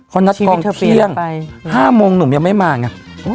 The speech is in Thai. ข้อนัดภาพังเขี้ยวไปชีวิตทุกตัวมงหนึ่งปรับไป๕๐๐นูมยังไม่มางา